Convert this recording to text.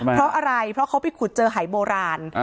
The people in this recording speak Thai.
เพราะอะไรเพราะเขาไปขุดเจอหายโบราณ